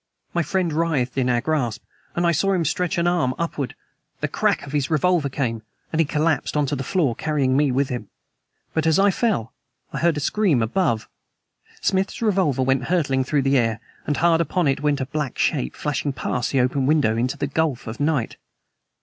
My friend writhed in our grasp, and I saw him stretch his arm upward. The crack of his revolver came, and he collapsed on to the floor, carrying me with him. But as I fell I heard a scream above. Smith's revolver went hurtling through the air, and, hard upon it, went a black shape flashing past the open window into the gulf of the night.